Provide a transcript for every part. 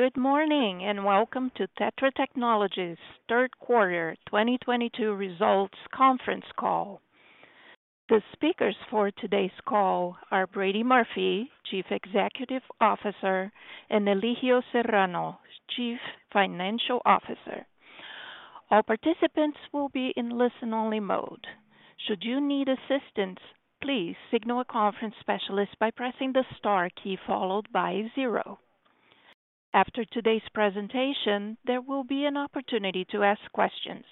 Good morning, and welcome to TETRA Technologies' Third Quarter 2022 Results Conference Call. The speakers for today's call are Brady Murphy, Chief Executive Officer, and Elijio Serrano, Chief Financial Officer. All participants will be in listen-only mode. Should you need assistance, please signal a conference specialist by pressing the star key followed by zero. After today's presentation, there will be an opportunity to ask questions.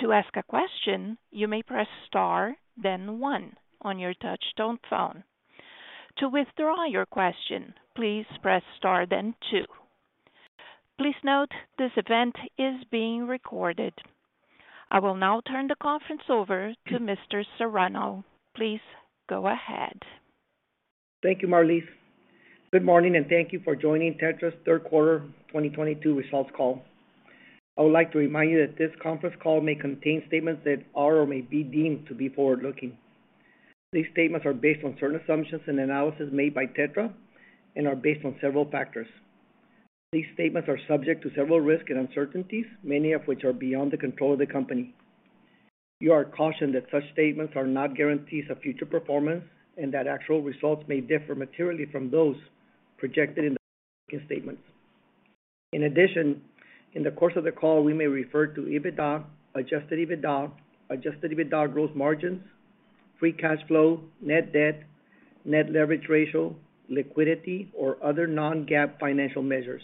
To ask a question, you may press star, then one on your touch tone phone. To withdraw your question, please press star, then two. Please note this event is being recorded. I will now turn the conference over to Mr. Serrano. Please go ahead. Thank you, Marlise. Good morning, and thank you for joining TETRA's third quarter 2022 results call. I would like to remind you that this conference call may contain statements that are or may be deemed to be forward-looking. These statements are based on certain assumptions and analysis made by TETRA and are based on several factors. These statements are subject to several risks and uncertainties, many of which are beyond the control of the company. You are cautioned that such statements are not guarantees of future performance and that actual results may differ materially from those projected in the forward-looking statements. In addition, in the course of the call, we may refer to EBITDA, adjusted EBITDA, adjusted EBITDA growth margins, free cash flow, net debt, net leverage ratio, liquidity, or other non-GAAP financial measures.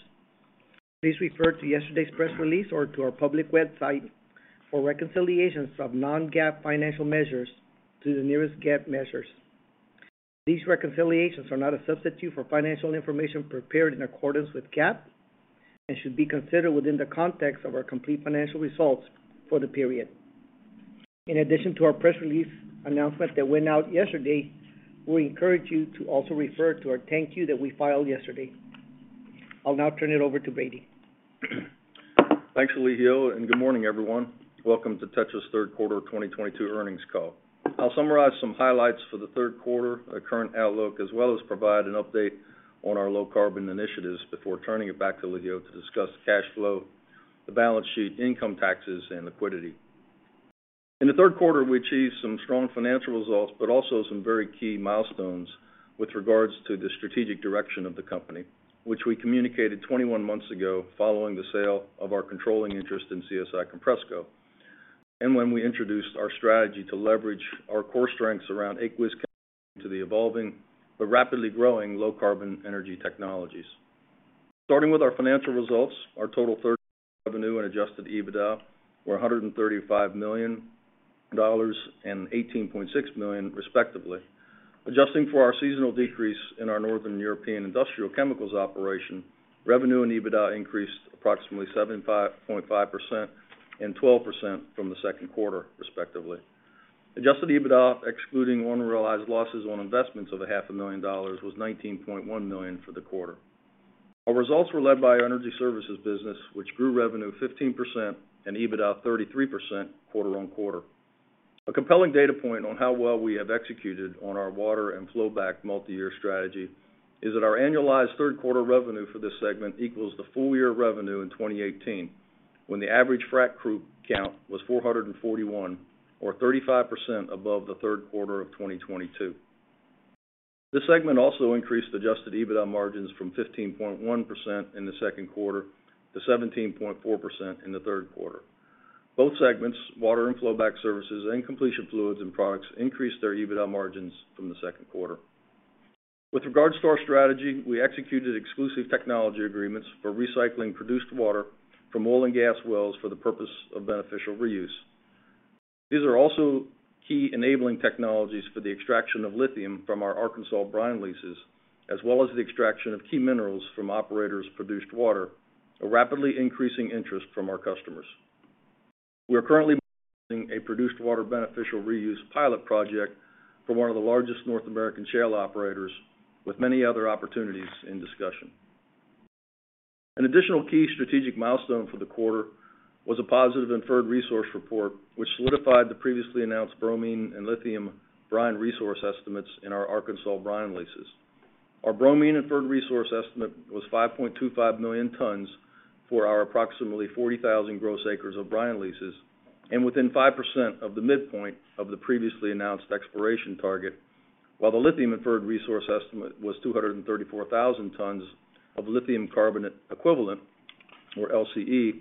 Please refer to yesterday's press release or to our public website for reconciliations of non-GAAP financial measures to the nearest GAAP measures. These reconciliations are not a substitute for financial information prepared in accordance with GAAP and should be considered within the context of our complete financial results for the period. In addition to our press release announcement that went out yesterday, we encourage you to also refer to our 10-Q that we filed yesterday. I'll now turn it over to Brady. Thanks, Elijio, and good morning, everyone. Welcome to TETRA's third quarter 2022 earnings call. I'll summarize some highlights for the third quarter, our current outlook, as well as provide an update on our low carbon initiatives before turning it back to Elijio to discuss cash flow, the balance sheet, income taxes, and liquidity. In the third quarter, we achieved some strong financial results, but also some very key milestones with regards to the strategic direction of the company, which we communicated 21 months ago following the sale of our controlling interest in CSI Compressco. When we introduced our strategy to leverage our core strengths around aqueous chemistries into the evolving but rapidly growing low carbon energy technologies. Starting with our financial results, our total third-quarter revenue and adjusted EBITDA were $135 million and $18.6 million, respectively. Adjusting for our seasonal decrease in our Northern European industrial chemicals operation, revenue and EBITDA increased approximately 75.5% and 12% from the second quarter, respectively. Adjusted EBITDA, excluding unrealized losses on investments of $500,000, was $19.1 million for the quarter. Our results were led by our energy services business, which grew revenue 15% and EBITDA 33% quarter-on-quarter. A compelling data point on how well we have executed on our water and flowback multi-year strategy is that our annualized third quarter revenue for this segment equals the full year revenue in 2018, when the average frac crew count was 441 or 35% above the third quarter of 2022. This segment also increased adjusted EBITDA margins from 15.1% in the second quarter to 17.4% in the third quarter. Both segments, water and flowback services and completion fluids and products, increased their EBITDA margins from the second quarter. With regards to our strategy, we executed exclusive technology agreements for recycling produced water from oil and gas wells for the purpose of beneficial reuse. These are also key enabling technologies for the extraction of lithium from our Arkansas brine leases, as well as the extraction of key minerals from operators' produced water, a rapidly increasing interest from our customers. We are currently using a produced water beneficial reuse pilot project for one of the largest North American shale operators with many other opportunities in discussion. An additional key strategic milestone for the quarter was a positive inferred resource report, which solidified the previously announced bromine and lithium brine resource estimates in our Arkansas brine leases. Our bromine inferred resource estimate was 5.25 million tons for our approximately 40,000 gross acres of brine leases and within 5% of the midpoint of the previously announced exploration target, while the lithium inferred resource estimate was 234,000 tons of lithium carbonate equivalent or LCE,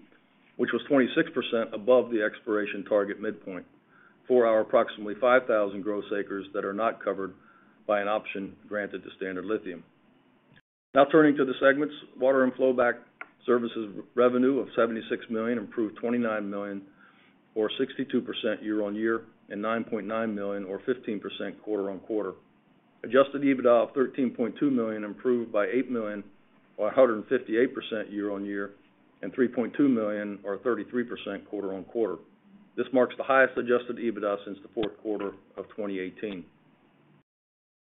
which was 26% above the exploration target midpoint for our approximately 5,000 gross acres that are not covered by an option granted to Standard Lithium. Now turning to the segments. Water and flowback services revenue of $76 million improved $29 million or 62% year-on-year and $9.9 million or 15% quarter-on-quarter. Adjusted EBITDA of $13.2 million improved by $8 million or 158% year-on-year and $3.2 million or 33% quarter-on-quarter. This marks the highest adjusted EBITDA since the fourth quarter of 2018.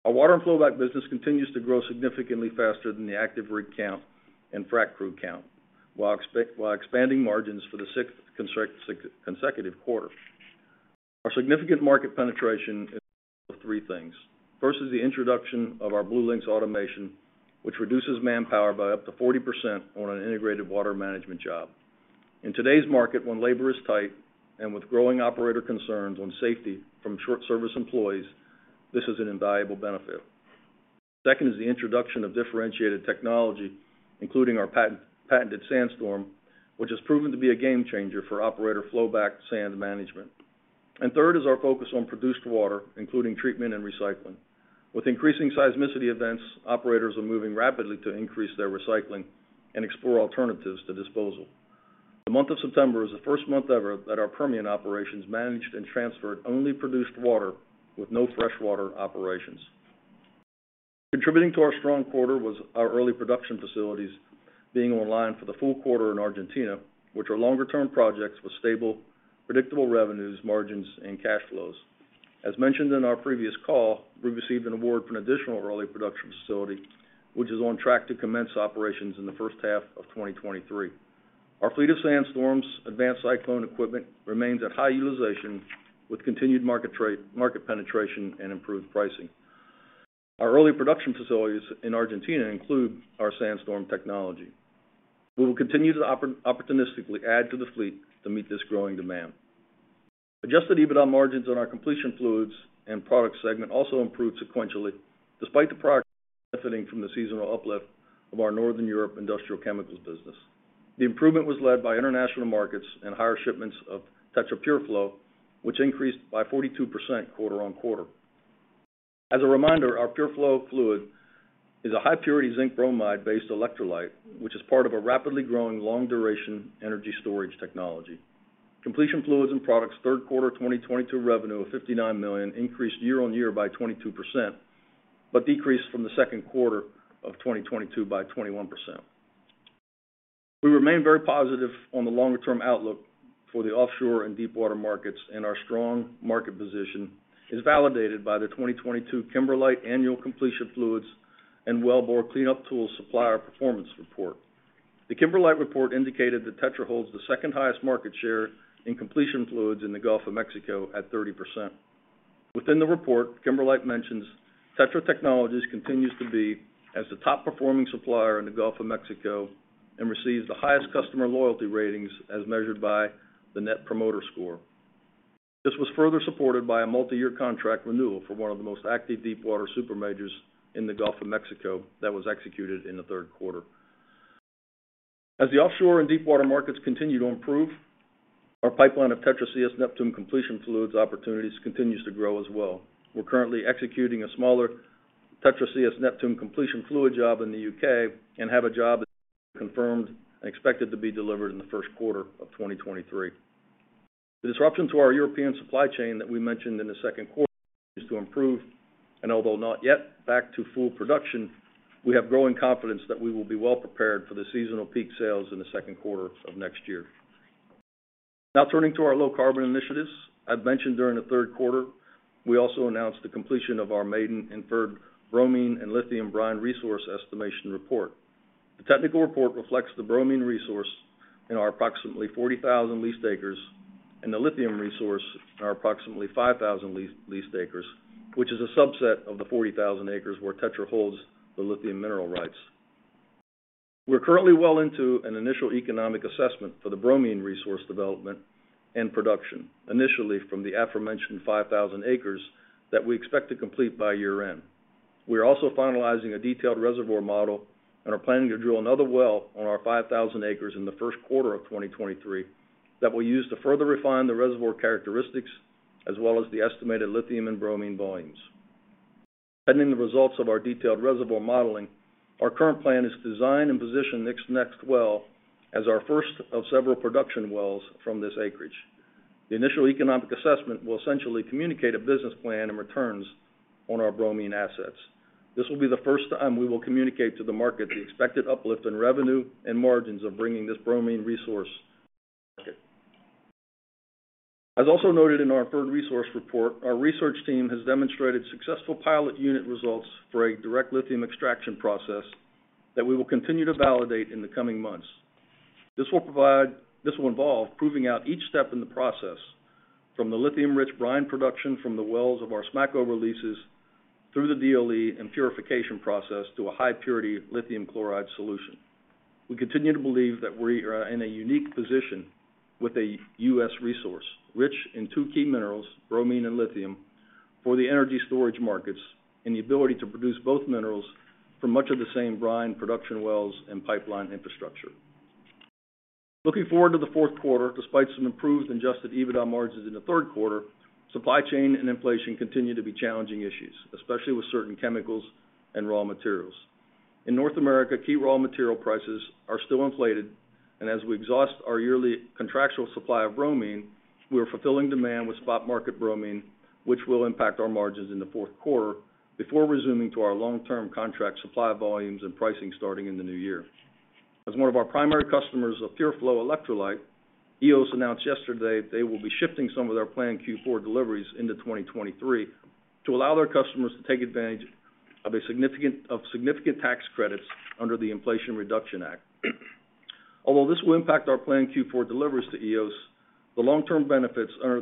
Our water and flowback business continues to grow significantly faster than the active rig count and frac crew count, while expanding margins for the sixth consecutive quarter. Our significant market penetration is a result of three things. First is the introduction of our BlueLinx automation, which reduces manpower by up to 40% on an integrated water management job. In today's market, when labor is tight and with growing operator concerns on safety from short service employees, this is an invaluable benefit. Second is the introduction of differentiated technology, including our patented SandStorm, which has proven to be a game changer for operator flowback sand management. Third is our focus on produced water, including treatment and recycling. With increasing seismicity events, operators are moving rapidly to increase their recycling and explore alternatives to disposal. The month of September is the first month ever that our Permian operations managed and transferred only produced water with no freshwater operations. Contributing to our strong quarter was our Early Production Facilities being online for the full quarter in Argentina, which are longer-term projects with stable, predictable revenues, margins and cash flows. As mentioned in our previous call, we've received an award for an additional Early Production Facility, which is on track to commence operations in the first half of 2023. Our fleet of SandStorm's advanced cyclone equipment remains at high utilization with continued market penetration and improved pricing. Our early production facilities in Argentina include our SandStorm technology. We will continue to opportunistically add to the fleet to meet this growing demand. Adjusted EBITDA margins on our completion fluids and products segment also improved sequentially, despite the product benefiting from the seasonal uplift of our Northern Europe industrial chemicals business. The improvement was led by international markets and higher shipments of TETRA PureFlow, which increased by 42% quarter-over-quarter. As a reminder, our PureFlow fluid is a high purity zinc bromide-based electrolyte, which is part of a rapidly growing long-duration energy storage technology. Completion fluids and products third quarter 2022 revenue of $59 million increased year-over-year by 22%, but decreased from the second quarter of 2022 by 21%. We remain very positive on the longer-term outlook for the offshore and deepwater markets, and our strong market position is validated by the 2022 Kimberlite annual completion fluids and wellbore cleanup tools supplier performance report. The Kimberlite report indicated that TETRA holds the second highest market share in completion fluids in the Gulf of Mexico at 30%. Within the report, Kimberlite mentions TETRA Technologies continues to be the top performing supplier in the Gulf of Mexico and receives the highest customer loyalty ratings as measured by the Net Promoter Score. This was further supported by a multiyear contract renewal for one of the most active deepwater super majors in the Gulf of Mexico that was executed in the third quarter. As the offshore and deepwater markets continue to improve, our pipeline of TETRA CS Neptune completion fluids opportunities continues to grow as well. We're currently executing a smaller TETRA CS Neptune completion fluid job in the U.K. and have a job that's been confirmed and expected to be delivered in the first quarter of 2023. The disruption to our European supply chain that we mentioned in the second quarter continues to improve, and although not yet back to full production, we have growing confidence that we will be well prepared for the seasonal peak sales in the second quarter of next year. Now turning to our low carbon initiatives. I've mentioned during the third quarter, we also announced the completion of our maiden inferred bromine and lithium brine resource estimation report. The technical report reflects the bromine resource in our approximately 40,000 leased acres and the lithium resource in our approximately 5,000 leased acres, which is a subset of the 40,000 acres where TETRA holds the lithium mineral rights. We're currently well into an initial economic assessment for the bromine resource development and production, initially from the aforementioned 5,000 acres that we expect to complete by year-end. We are also finalizing a detailed reservoir model and are planning to drill another well on our 5,000 acres in the first quarter of 2023 that we'll use to further refine the reservoir characteristics as well as the estimated lithium and bromine volumes. Pending the results of our detailed reservoir modeling, our current plan is design and position next well as our first of several production wells from this acreage. The initial economic assessment will essentially communicate a business plan and returns on our bromine assets. This will be the first time we will communicate to the market the expected uplift in revenue and margins of bringing this bromine resource to market. As also noted in our inferred resource report, our research team has demonstrated successful pilot unit results for a direct lithium extraction process that we will continue to validate in the coming months. This will involve proving out each step in the process from the lithium-rich brine production from the wells of our Smackover leases through the DLE and purification process to a high purity lithium chloride solution. We continue to believe that we are in a unique position with a U.S. resource rich in two key minerals, bromine and lithium, for the energy storage markets and the ability to produce both minerals for much of the same brine production wells and pipeline infrastructure. Looking forward to the fourth quarter, despite some improved adjusted EBITDA margins in the third quarter, supply chain and inflation continue to be challenging issues, especially with certain chemicals and raw materials. In North America, key raw material prices are still inflated, and as we exhaust our yearly contractual supply of bromine, we are fulfilling demand with spot market bromine, which will impact our margins in the fourth quarter before resuming to our long-term contract supply volumes and pricing starting in the new year. As one of our primary customers of PureFlow electrolyte, Eos announced yesterday they will be shifting some of their planned Q4 deliveries into 2023 to allow their customers to take advantage of significant tax credits under the Inflation Reduction Act. Although this will impact our planned Q4 deliveries to Eos, the long-term benefits are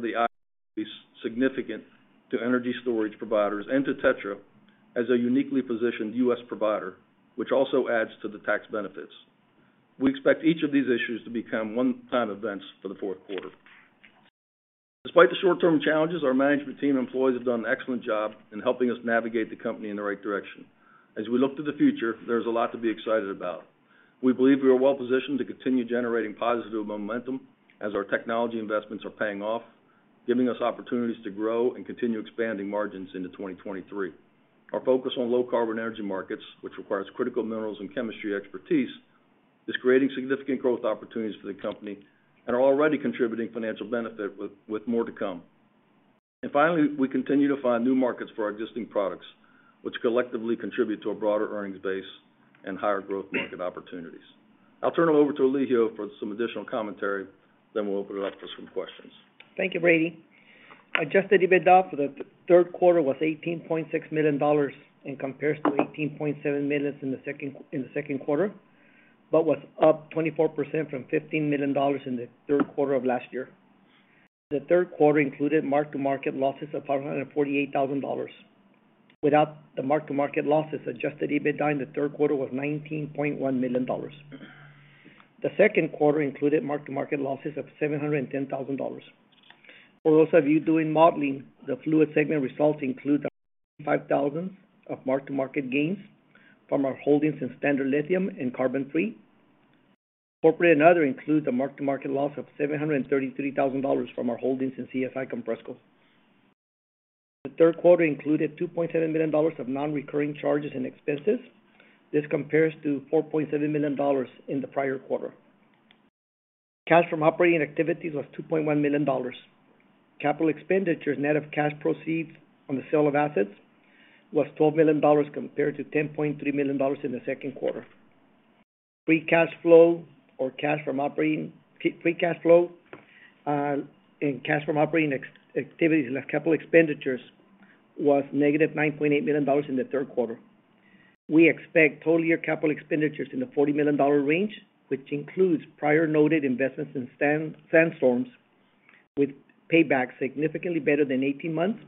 these significant to energy storage providers and to TETRA as a uniquely positioned U.S. provider, which also adds to the tax benefits. We expect each of these issues to become one-time events for the fourth quarter. Despite the short-term challenges, our management team and employees have done an excellent job in helping us navigate the company in the right direction. As we look to the future, there's a lot to be excited about. We believe we are well-positioned to continue generating positive momentum as our technology investments are paying off, giving us opportunities to grow and continue expanding margins into 2023. Our focus on low carbon energy markets, which requires critical minerals and chemistry expertise, is creating significant growth opportunities for the company and are already contributing financial benefit, with more to come. Finally, we continue to find new markets for our existing products, which collectively contribute to a broader earnings base and higher growth market opportunities. I'll turn it over to Elijio for some additional commentary, then we'll open it up for some questions. Thank you, Brady. Adjusted EBITDA for the third quarter was $18.6 million and compares to $18.7 million in the second quarter, but was up 24% from $15 million in the third quarter of last year. The third quarter included mark-to-market losses of $548,000. Without the mark-to-market losses, adjusted EBITDA in the third quarter was $19.1 million. The second quarter included mark-to-market losses of $710,000. For those of you doing modeling, the fluid segment results include the $5,000 of mark-to-market gains from our holdings in Standard Lithium and CarbonFree. Corporate and other includes a mark-to-market loss of $733,000 from our holdings in CSI Compressco. The third quarter included $2.7 million of non-recurring charges and expenses. This compares to $4.7 million in the prior quarter. Cash from operating activities was $2.1 million. Capital expenditures net of cash proceeds on the sale of assets was $12 million compared to $10.3 million in the second quarter. Free cash flow in cash from operating activities less capital expenditures was -$9.8 million in the third quarter. We expect total year capital expenditures in the $40 million range, which includes prior noted investments in SandStorm with payback significantly better than 18 months,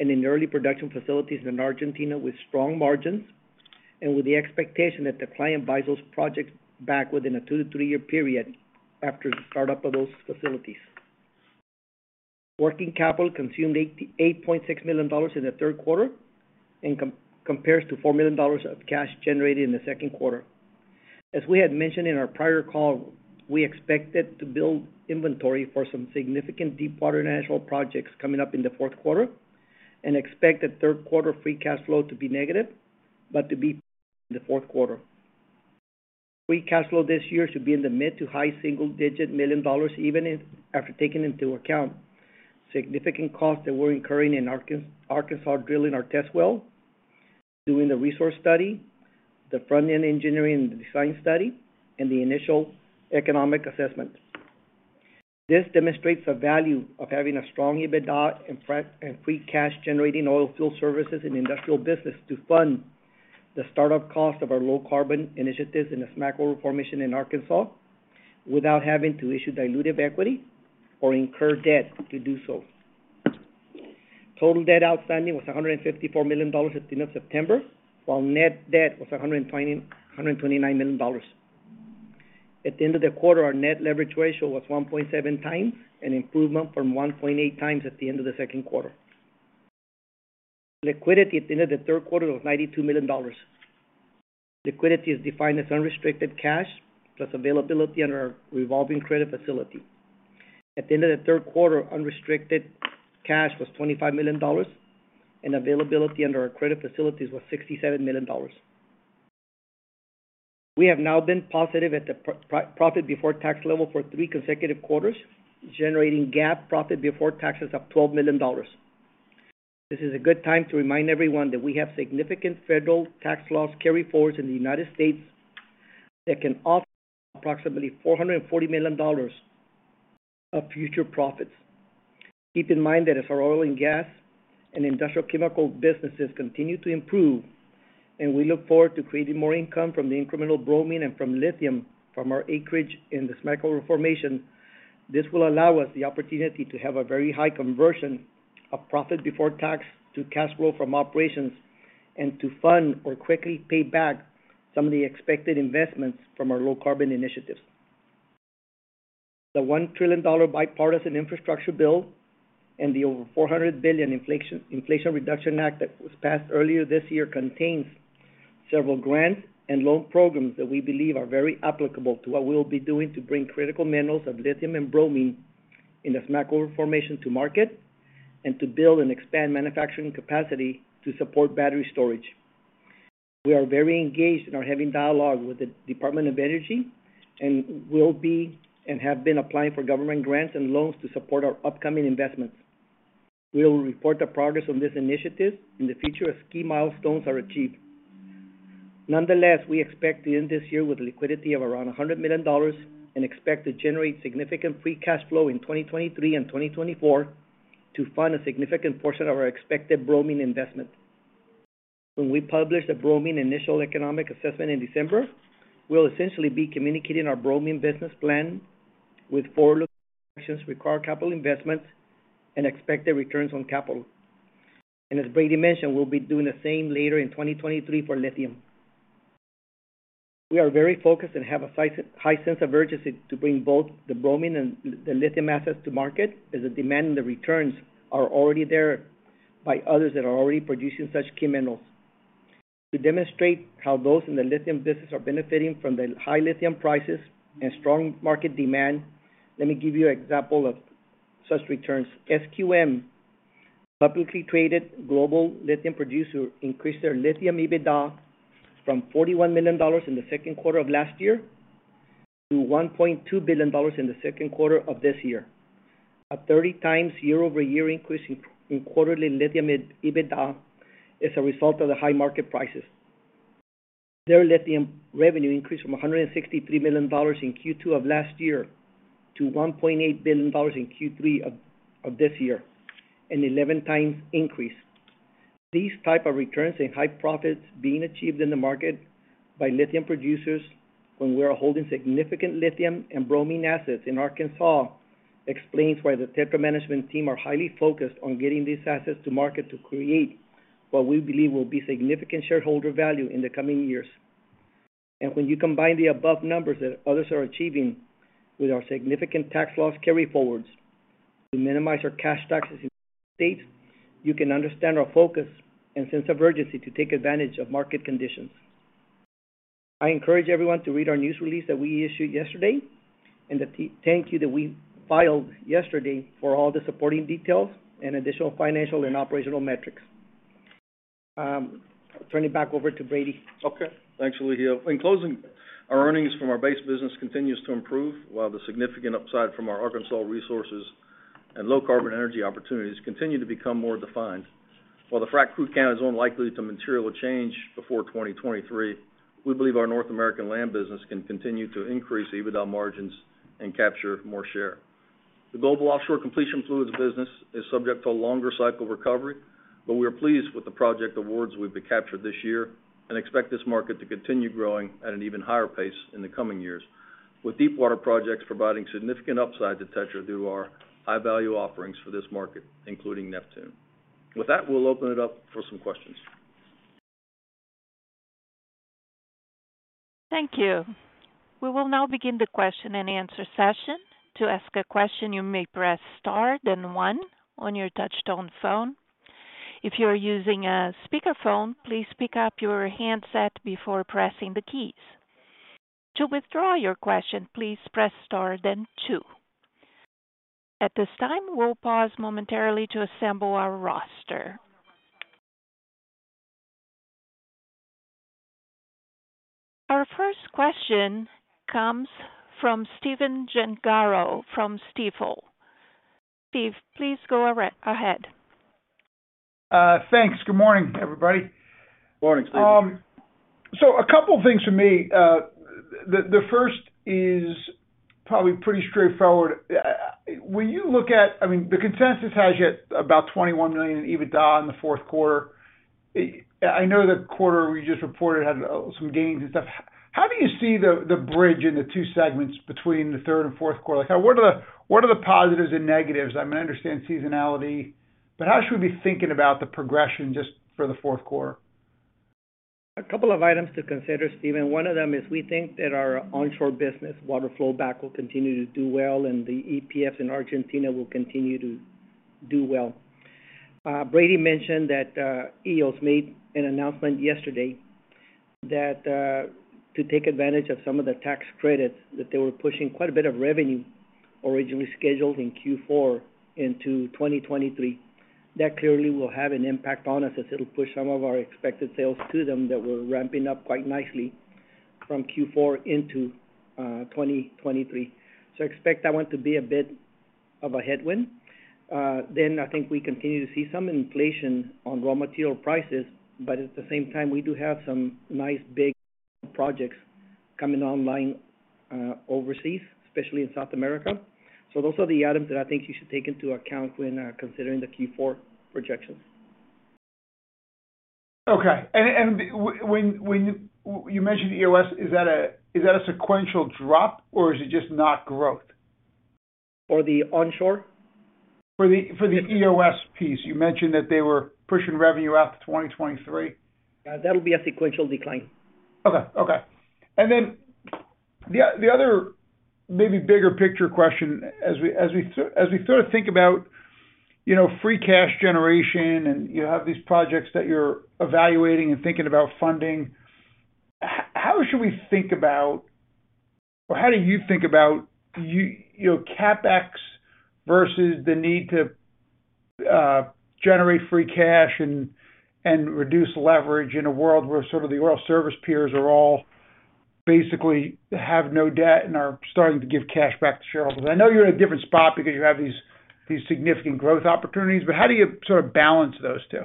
and in the Early Production Facilities in Argentina with strong margins and with the expectation that the client buys those projects back within a two to three year period after the start-up of those facilities. Working capital consumed $88.6 million in the third quarter and compares to $4 million of cash generated in the second quarter. As we had mentioned in our prior call, we expected to build inventory for some significant deepwater national projects coming up in the fourth quarter and expect the third quarter free cash flow to be negative, but to be in the fourth quarter. Free cash flow this year should be in the mid- to high single-digit million dollars even if after taking into account significant costs that we're incurring in Arkansas drilling our test well, doing the resource study, the front-end engineering, the design study, and the initial economic assessment. This demonstrates the value of having a strong EBITDA and free cash generating oil field services and industrial business to fund the start-up cost of our low carbon initiatives in the Smackover Formation in Arkansas without having to issue dilutive equity or incur debt to do so. Total debt outstanding was $154 million at the end of September, while net debt was $129 million. At the end of the quarter, our net leverage ratio was 1.7x, an improvement from 1.8x at the end of the second quarter. Liquidity at the end of the third quarter was $92 million. Liquidity is defined as unrestricted cash, plus availability under our revolving credit facility. At the end of the third quarter, unrestricted cash was $25 million, and availability under our credit facilities was $67 million. We have now been positive at the profit before tax level for three consecutive quarters, generating GAAP profit before taxes of $12 million. This is a good time to remind everyone that we have significant federal tax loss carry-forwards in the United States that can offset approximately $440 million of future profits. Keep in mind that as our oil and gas and industrial chemical businesses continue to improve, and we look forward to creating more income from the incremental bromine and from lithium from our acreage in the Smackover Formation, this will allow us the opportunity to have a very high conversion of profit before tax to cash flow from operations and to fund or quickly pay back some of the expected investments from our low carbon initiatives. The $1 trillion bipartisan infrastructure bill and the over $400 billion Inflation Reduction Act that was passed earlier this year contains several grants and loan programs that we believe are very applicable to what we'll be doing to bring critical minerals of lithium and bromine in the Smackover Formation to market and to build and expand manufacturing capacity to support battery storage. We are very engaged and are having dialogue with the Department of Energy and have been applying for government grants and loans to support our upcoming investments. We will report the progress on this initiative in the future as key milestones are achieved. Nonetheless, we expect to end this year with liquidity of around $100 million and expect to generate significant free cash flow in 2023 and 2024 to fund a significant portion of our expected bromine investment. When we publish the bromine initial economic assessment in December, we'll essentially be communicating our bromine business plan with forward-looking actions, required capital investments, and expected returns on capital. As Brady mentioned, we'll be doing the same later in 2023 for lithium. We are very focused and have a sky-high sense of urgency to bring both the bromine and the lithium assets to market, as the demand and the returns are already there by others that are already producing such key minerals. To demonstrate how those in the lithium business are benefiting from the high lithium prices and strong market demand, let me give you an example of such returns. SQM, a publicly traded global lithium producer, increased their lithium EBITDA from $41 million in the second quarter of last year to $1.2 billion in the second quarter of this year. A 30x year-over-year increase in quarterly lithium EBITDA as a result of the high market prices. Their lithium revenue increased from $163 million in Q2 of last year to $1.8 billion in Q3 of this year, an 11x increase. These type of returns and high profits being achieved in the market by lithium producers when we are holding significant lithium and bromine assets in Arkansas, explains why the TETRA management team are highly focused on getting these assets to market to create what we believe will be significant shareholder value in the coming years. When you combine the above numbers that others are achieving with our significant tax loss carry-forwards to minimize our cash taxes in the United States, you can understand our focus and sense of urgency to take advantage of market conditions. I encourage everyone to read our news release that we issued yesterday, and the 10-K that we filed yesterday for all the supporting details and additional financial and operational metrics. Turn it back over to Brady. Okay. Thanks, Elijio. In closing, our earnings from our base business continues to improve, while the significant upside from our Arkansas resources and low carbon energy opportunities continue to become more defined. While the frac crew count is unlikely to material change before 2023, we believe our North American land business can continue to increase EBITDA margins and capture more share. The global offshore completion fluids business is subject to a longer cycle recovery, but we are pleased with the project awards we've captured this year and expect this market to continue growing at an even higher pace in the coming years, with deep water projects providing significant upside to TETRA through our high-value offerings for this market, including Neptune. With that, we'll open it up for some questions. Thank you. We will now begin the question-and-answer session. To ask a question, you may press star then one on your touchtone phone. If you are using a speakerphone, please pick up your handset before pressing the keys. To withdraw your question, please press star then two. At this time, we'll pause momentarily to assemble our roster. Our first question comes from Stephen Gengaro from Stifel. Steve, please go ahead. Thanks. Good morning, everybody. Morning, Stephen. A couple of things for me. The first is probably pretty straightforward. When you look at, I mean, the consensus has you at about $21 million in EBITDA in the fourth quarter. I know the quarter we just reported had some gains and stuff. How do you see the bridge in the two segments between the third and fourth quarter? Like, how what are the positives and negatives? I mean, I understand seasonality, but how should we be thinking about the progression just for the fourth quarter? A couple of items to consider, Stephen. One of them is we think that our onshore business water flow back will continue to do well and the EPFs in Argentina will continue to do well. Brady mentioned that, Eos made an announcement yesterday that, to take advantage of some of the tax credits, that they were pushing quite a bit of revenue originally scheduled in Q4 into 2023. That clearly will have an impact on us as it'll push some of our expected sales to them that we're ramping up quite nicely from Q4 into 2023. Expect that one to be a bit of a headwind. I think we continue to see some inflation on raw material prices, but at the same time, we do have some nice big projects coming online, overseas, especially in South America. Those are the items that I think you should take into account when considering the Q4 projections. When you mentioned Eos, is that a sequential drop or is it just not growth? For the onshore? For the Eos piece, you mentioned that they were pushing revenue out to 2023. That'll be a sequential decline. Okay. Then the other maybe bigger picture question, as we sort of think about, you know, free cash generation and you have these projects that you're evaluating and thinking about funding, how should we think about or how do you think about you know, CapEx versus the need to generate free cash and reduce leverage in a world where sort of the oil service peers are all basically have no debt and are starting to give cash back to shareholders? I know you're in a different spot because you have these significant growth opportunities, but how do you sort of balance those two?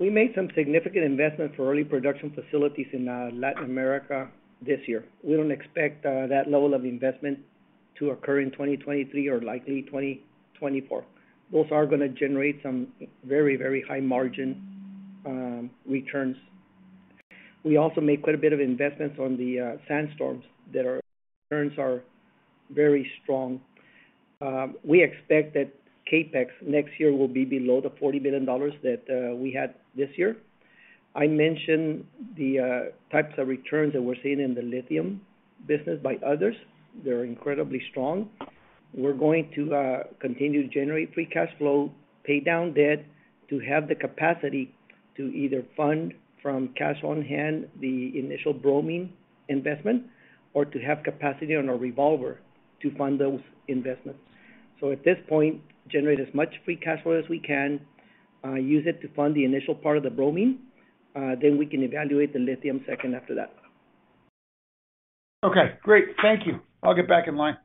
We made some significant investments for Early Production Facilities in Latin America this year. We don't expect that level of investment To occur in 2023 or likely 2024. Those are gonna generate some very, very high margin returns. We also make quite a bit of investments on the SandStorm that our returns are very strong. We expect that CapEx next year will be below the $40 million that we had this year. I mentioned the types of returns that we're seeing in the lithium business by others. They're incredibly strong. We're going to continue to generate free cash flow, pay down debt to have the capacity to either fund from cash on hand the initial bromine investment or to have capacity on our revolver to fund those investments. At this point, generate as much free cash flow as we can, use it to fund the initial part of the bromine, then we can evaluate the lithium second after that. Okay, great. Thank you. I'll get back in line.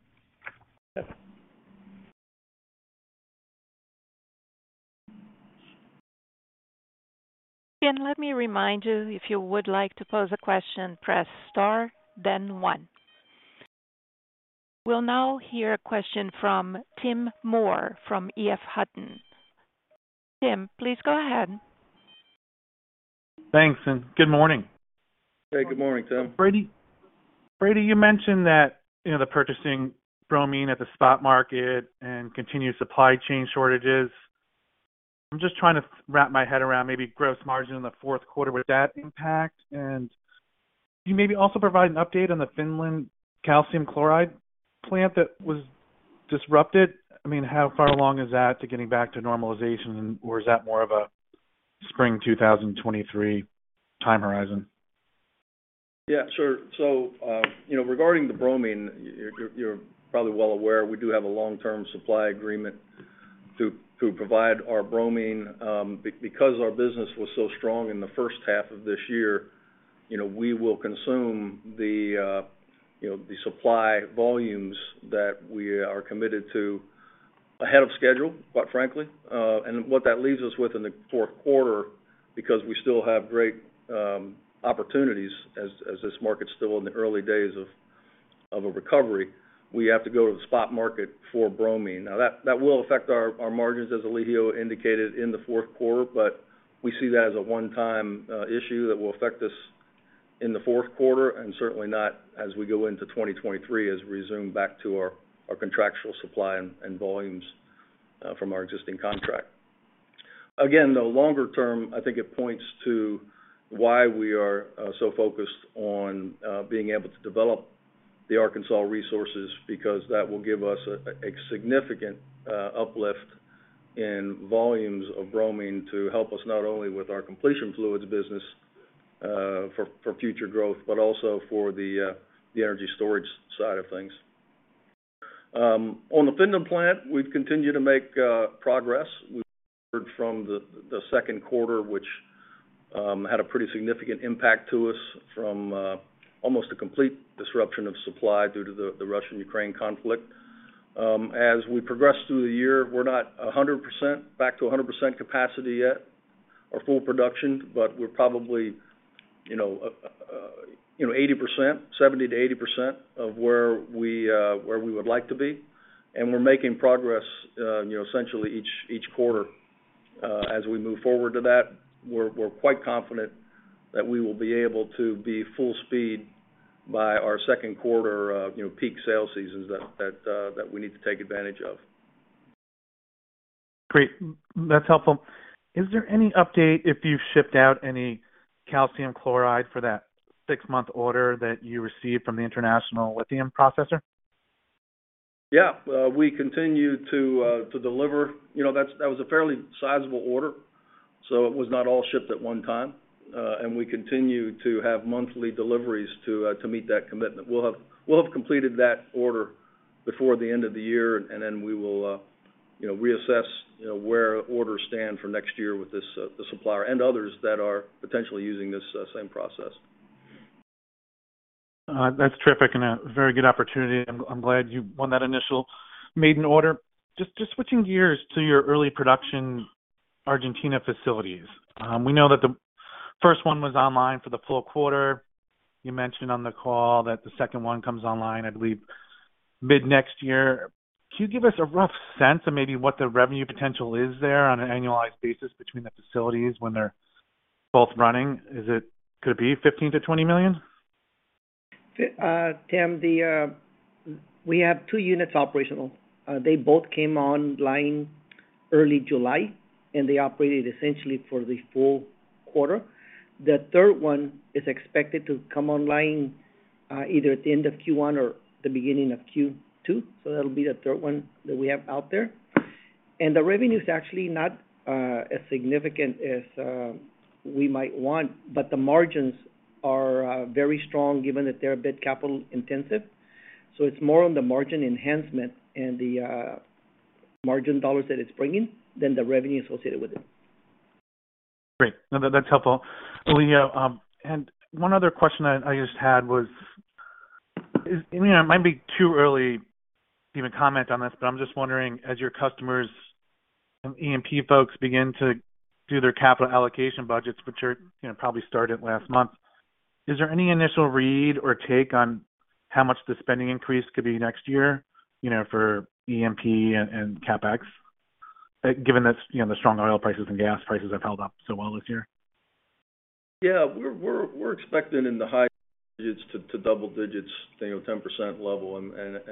Again, let me remind you, if you would like to pose a question, press star then one. We'll now hear a question from Tim Moore from EF Hutton. Tim, please go ahead. Thanks, and good morning. Hey, good morning, Tim. Brady, you mentioned that, you know, the purchasing bromine at the spot market and continued supply chain shortages. I'm just trying to wrap my head around maybe gross margin in the fourth quarter with that impact. Can you maybe also provide an update on the Finland calcium chloride plant that was disrupted? I mean, how far along is that to getting back to normalization? Is that more of a spring 2023 time horizon? Yeah, sure. You know, regarding the bromine, you're probably well aware we do have a long-term supply agreement to provide our bromine. Because our business was so strong in the first half of this year, you know, we will consume the supply volumes that we are committed to ahead of schedule, quite frankly. What that leaves us with in the fourth quarter, because we still have great opportunities as this market's still in the early days of a recovery, we have to go to the spot market for bromine. That will affect our margins as Elijio indicated in the fourth quarter, but we see that as a one-time issue that will affect us in the fourth quarter and certainly not as we go into 2023 as we resume back to our contractual supply and volumes from our existing contract. Again, the longer term, I think it points to why we are so focused on being able to develop the Arkansas resources because that will give us a significant uplift in volumes of bromine to help us not only with our completion fluids business for future growth, but also for the energy storage side of things. On the Finland plant, we've continued to make progress. We've heard from the second quarter, which had a pretty significant impact to us from almost a complete disruption of supply due to the Russo-Ukrainian War. As we progress through the year, we're not 100% back to 100% capacity yet or full production, but we're probably 80%, 70%-80% of where we would like to be. We're making progress essentially each quarter. As we move forward to that, we're quite confident that we will be able to be full speed by our second quarter peak sales seasons that we need to take advantage of. Great. That's helpful. Is there any update if you've shipped out any calcium chloride for that six-month order that you received from the international lithium processor? Yeah. We continue to deliver. You know, that was a fairly sizable order, so it was not all shipped at one time. We continue to have monthly deliveries to meet that commitment. We'll have completed that order before the end of the year, and then we will you know reassess you know where orders stand for next year with this the supplier and others that are potentially using this same process. That's terrific and a very good opportunity. I'm glad you won that initial maiden order. Just switching gears to your early production Argentina facilities. We know that the first one was online for the full quarter. You mentioned on the call that the second one comes online, I believe, mid-next year. Can you give us a rough sense of maybe what the revenue potential is there on an annualized basis between the facilities when they're both running? Is it, could it be $15 million-$20 million? Tim, we have two units operational. They both came online early July, and they operated essentially for the full quarter. The third one is expected to come online, either at the end of Q1 or the beginning of Q2. That'll be the third one that we have out there. The revenue is actually not as significant as we might want, but the margins are very strong given that they're a bit capital intensive. It's more on the margin enhancement and the margin dollars that it's bringing than the revenue associated with it. Great. No, that's helpful. Elijio, and one other question I just had was, you know, it might be too early to even comment on this, but I'm just wondering, as your customers and E&P folks begin to do their capital allocation budgets, which are, you know, probably started last month. Is there any initial read or take on how much the spending increase could be next year, you know, for E&P and CapEx? Given that, you know, the strong oil prices and gas prices have held up so well this year. Yeah. We're expecting in the high single digits to double digits, you know, 10% level.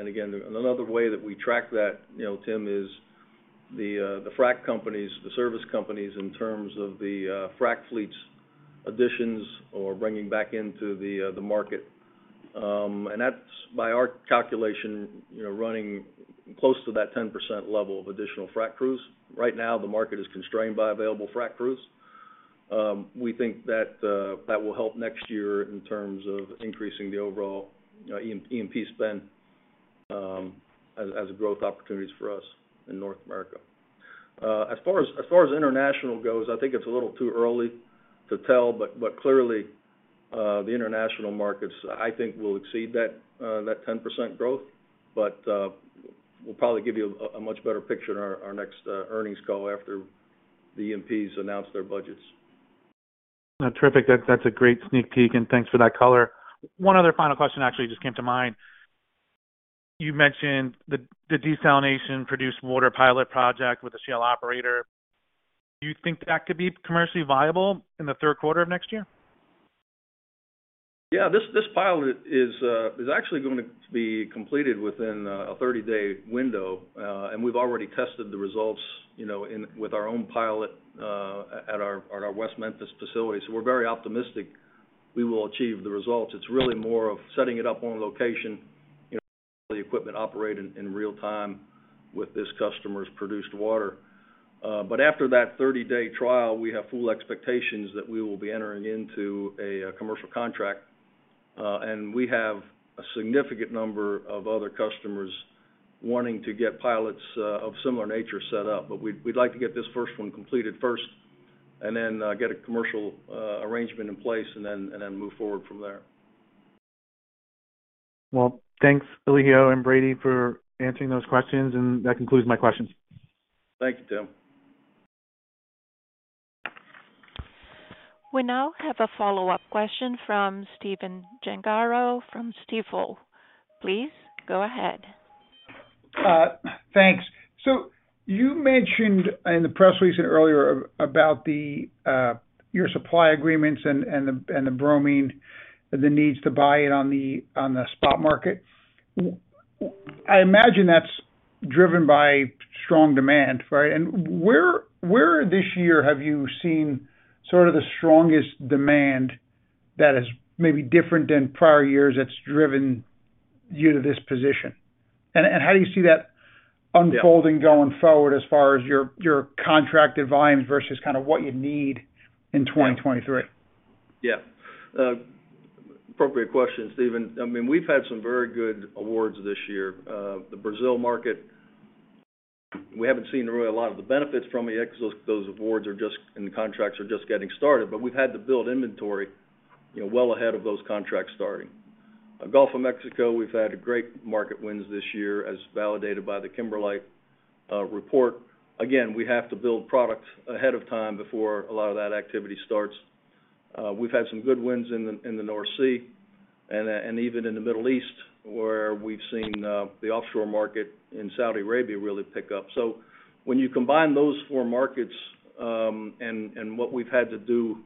Again, another way that we track that, you know, Tim, is the frac companies, the service companies in terms of the frac fleets additions or bringing back into the market. That's by our calculation, you know, running close to that 10% level of additional frac crews. Right now, the market is constrained by available frac crews. We think that that will help next year in terms of increasing the overall E&P spend, as growth opportunities for us in North America. As far as international goes, I think it's a little too early to tell, but clearly, the international markets, I think will exceed that 10% growth. We'll probably give you a much better picture in our next earnings call after the E&Ps announce their budgets. Terrific. That's a great sneak peek, and thanks for that color. One other final question actually just came to mind. You mentioned the desalination produced water pilot project with the Shell operator. Do you think that could be commercially viable in the third quarter of next year? Yeah. This pilot is actually going to be completed within a 30-day window. We've already tested the results, you know, with our own pilot at our West Memphis facility. We're very optimistic we will achieve the results. It's really more of setting it up on location, you know, see how the equipment operate in real time with this customer's produced water. After that 30-day trial, we have full expectations that we will be entering into a commercial contract, and we have a significant number of other customers wanting to get pilots of similar nature set up. We'd like to get this first one completed first and then get a commercial arrangement in place and then move forward from there. Well, thanks, Elijio and Brady for answering those questions, and that concludes my questions. Thank you, Tim. We now have a follow-up question from Stephen Gengaro from Stifel. Please go ahead. Thanks. You mentioned in the press release earlier about your supply agreements and the bromine, the need to buy it on the spot market. I imagine that's driven by strong demand, right? Where this year have you seen sort of the strongest demand that is maybe different than prior years that's driven you to this position? How do you see that unfolding going forward as far as your contracted volumes versus kind of what you need in 2023? Yeah. Appropriate question, Stephen. I mean, we've had some very good awards this year. The Brazil market, we haven't seen really a lot of the benefits from it yet because those awards and the contracts are just getting started. We've had to build inventory, you know, well ahead of those contracts starting. Gulf of Mexico, we've had great market wins this year, as validated by the Kimberlite report. Again, we have to build products ahead of time before a lot of that activity starts. We've had some good wins in the North Sea and even in the Middle East, where we've seen the offshore market in Saudi Arabia really pick up. When you combine those four markets, and what we've had to do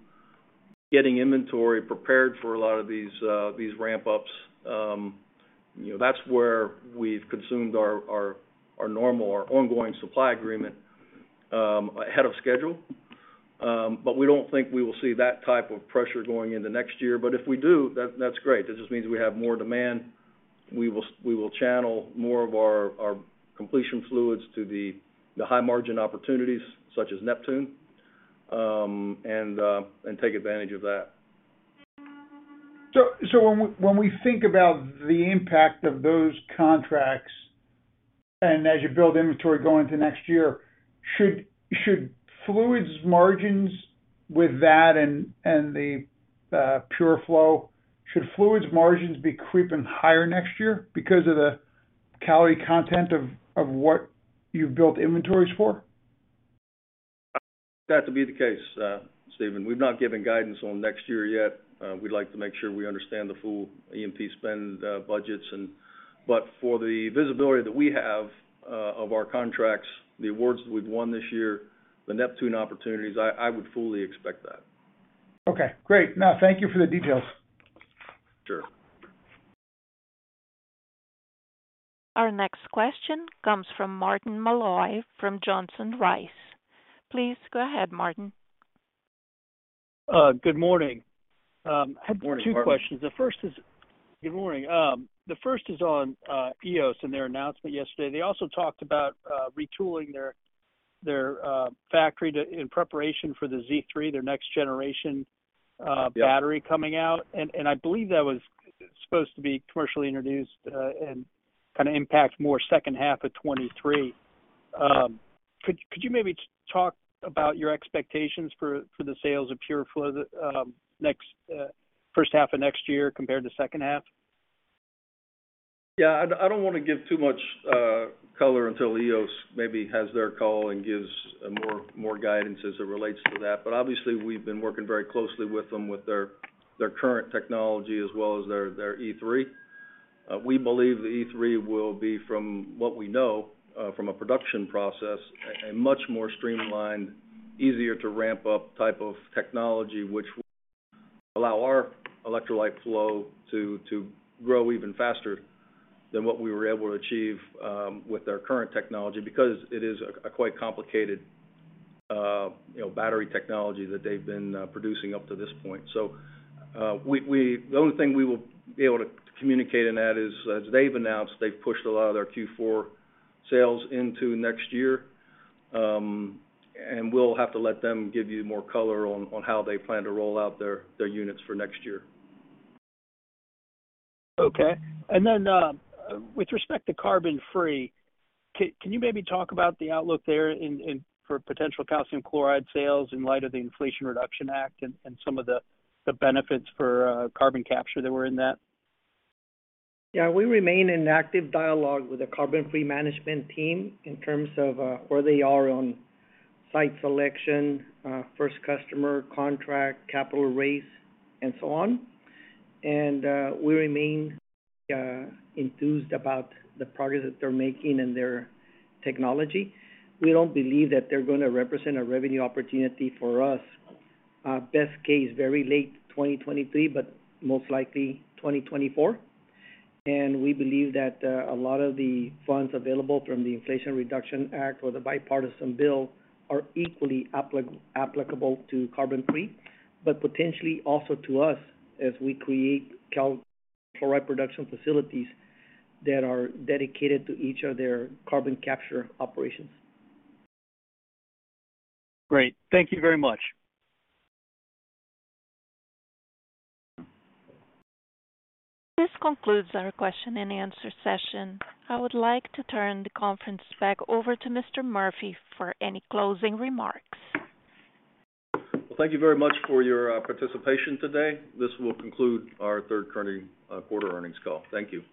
getting inventory prepared for a lot of these ramp-ups, you know, that's where we've consumed our normal or ongoing supply agreement, ahead of schedule. We don't think we will see that type of pressure going into next year. If we do, that's great. That just means we have more demand. We will channel more of our completion fluids to the high margin opportunities such as Neptune, and take advantage of that. When we think about the impact of those contracts, and as you build inventory going into next year, should fluids margins with that and the PureFlow be creeping higher next year because of the calorie content of what you've built inventories for? That to be the case, Stephen. We've not given guidance on next year yet. We'd like to make sure we understand the full E&P spend, budgets. For the visibility that we have, of our contracts, the awards that we've won this year, the Neptune opportunities, I would fully expect that. Okay, great. No, thank you for the details. Sure. Our next question comes from Martin Malloy from Johnson Rice. Please go ahead, Martin. Good morning. I had two questions. Good morning, Martin Malloy. Good morning. The first is on Eos and their announcement yesterday. They also talked about retooling their factory in preparation for the Z3, their next generation battery coming out. I believe that was supposed to be commercially introduced and kinda impact more second half of 2023. Could you maybe talk about your expectations for the sales of PureFlow the next first half of next year compared to second half? Yeah, I don't wanna give too much color until Eos maybe has their call and gives more guidance as it relates to that. Obviously, we've been working very closely with them with their current technology as well as their Z3. We believe the Z3 will be, from what we know, from a production process, a much more streamlined, easier to ramp up type of technology, which will allow our electrolyte flow to grow even faster than what we were able to achieve with their current technology. Because it is a quite complicated, you know, battery technology that they've been producing up to this point. The only thing we will be able to communicate in that is, as they've announced, they've pushed a lot of their Q4 sales into next year. We'll have to let them give you more color on how they plan to roll out their units for next year. Okay. With respect to CarbonFree, can you maybe talk about the outlook there in for potential calcium chloride sales in light of the Inflation Reduction Act and some of the benefits for carbon capture that were in that? Yeah. We remain in active dialogue with the CarbonFree management team in terms of where they are on site selection, first customer contract, capital raise, and so on. We remain enthused about the progress that they're making and their technology. We don't believe that they're gonna represent a revenue opportunity for us, best case, very late 2023, but most likely 2024. We believe that a lot of the funds available from the Inflation Reduction Act or the bipartisan bill are equally applicable to CarbonFree, but potentially also to us as we create calcium chloride production facilities that are dedicated to each of their carbon capture operations. Great. Thank you very much. This concludes our question and answer session. I would like to turn the conference back over to Mr. Murphy for any closing remarks. Well, thank you very much for your participation today. This will conclude our third quarter earnings call. Thank you.